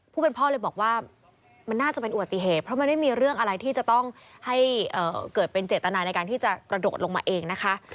ผู้เป็นพ่อเลยบอกว่ามันน่าจะเป็นอุบัติเหตุเพราะมันไม่มีเรื่องอะไรที่จะต้องให้เกิดเป็นเจตนาในการที่จะกระโดดลงมาเองนะคะ